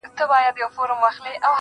که ټوله ژوند په تنهايۍ کي تېر کړم_